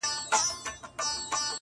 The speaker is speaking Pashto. د خپل جېبه د سگريټو يوه نوې قطۍ وا کړه؛